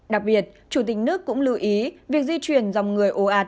đặc biệt chủ tịch nước cũng lưu ý việc di chuyển dòng người ồ ạt